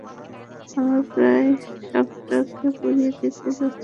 আমরা প্রায় শপটাকে পুড়িয়েই দিতে যাচ্ছিলাম।